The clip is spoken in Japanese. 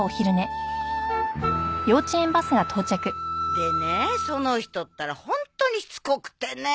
でねその人ったらホントにしつこくてねえ。